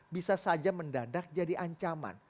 bisa saja mendadak jadi ancaman